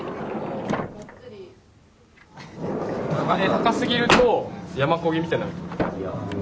高すぎると山漕ぎみたいになるってこと？